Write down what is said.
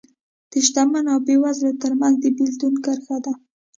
د شتمنو او بېوزلو ترمنځ د بېلتون کرښه ده